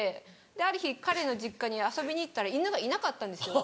ある日彼の実家に遊びに行ったら犬がいなかったんですよ。